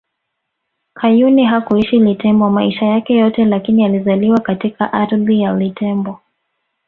Kayuni hakuishi Litembo maisha yake yote lakini alizaliwa katika ardhi ya Litembo